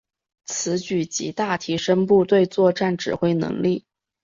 此举极大提升部队作战指挥能力。